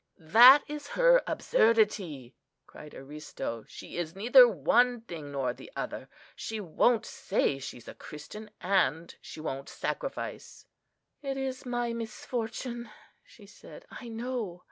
"That is her absurdity!" cried Aristo. "She is neither one thing nor the other. She won't say she's a Christian, and she won't sacrifice!" "It is my misfortune," she said, "I know.